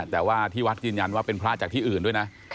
แต่ว่าที่วัดยืนยันว่าเป็นพระจากที่อื่นด้วยนะ